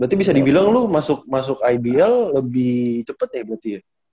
berarti bisa dibilang loh masuk ibl lebih cepat ya berarti ya